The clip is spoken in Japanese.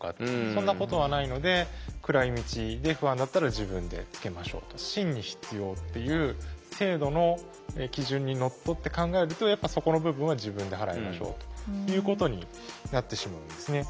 そんなことはないので暗い道で不安だったら自分でつけましょうと。にのっとって考えるとやっぱそこの部分は自分で払いましょうということになってしまうんですね。